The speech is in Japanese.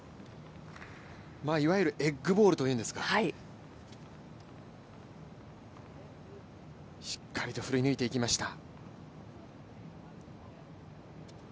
いわゆるエッグボールというんですか、しっかりと振り抜いていきました。